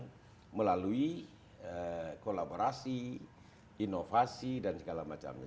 dan itu melalui kolaborasi inovasi dan segala macamnya